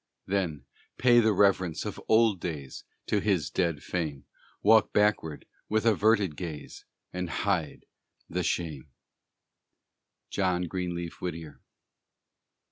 Then, pay the reverence of old days To his dead fame; Walk backward, with averted gaze, And hide the shame! JOHN GREENLEAF WHITTIER.